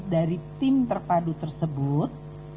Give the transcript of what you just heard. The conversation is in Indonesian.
dari tim terpadu tersebut